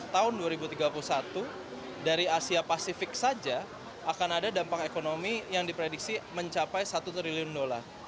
tahun dua ribu tiga puluh satu dari asia pasifik saja akan ada dampak ekonomi yang diprediksi mencapai satu triliun dolar